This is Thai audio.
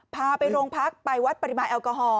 พาไปโรงพักไปวัดปริมาณแอลกอฮอล